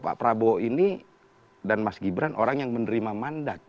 pak prabowo ini dan mas gibran orang yang menerima mandat